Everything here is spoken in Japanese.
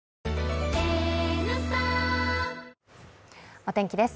お天気です。